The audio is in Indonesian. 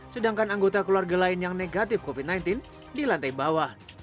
sedangkan anggota keluarga lain yang negatif covid sembilan belas di lantai bawah